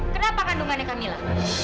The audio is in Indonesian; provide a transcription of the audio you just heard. kenapa kandungannya kak mila